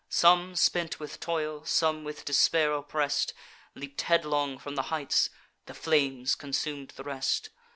Some spent with toil, some with despair oppress'd, Leap'd headlong from the heights; the flames consum'd the rest.